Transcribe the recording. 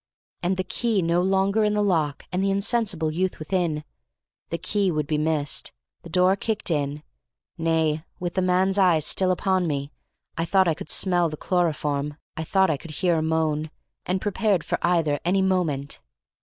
And the key no longer in the lock, and the insensible youth within! The key would be missed, the door kicked in; nay, with the man's eye still upon me, I thought I could smell the chloroform. I thought I could hear a moan, and prepared for either any moment.